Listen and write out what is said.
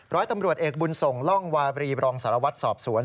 ร้อยตำรวจเอกบุญส่งล่องวาบรีบรองสารวัตรสอบสวน